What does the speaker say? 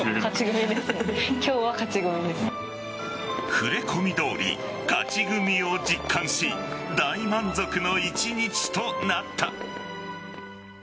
触れ込みどおり勝ち組を実感し大満足の１日となった。